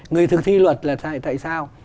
người thực thi luật là tại sao